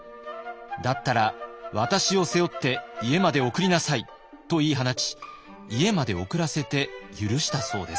「だったら私を背負って家まで送りなさい」と言い放ち家まで送らせて許したそうです。